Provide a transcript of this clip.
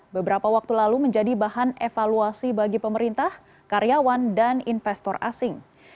beberapa waktu lalu menjadi bahan evaluasi bagi pemerintah karyawan dan investor asing